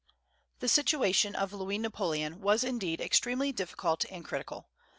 The situation of Louis Napoleon was indeed extremely difficult and critical.